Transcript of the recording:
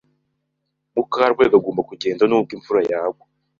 Mukarwego agomba kugenda nubwo imvura yagwa.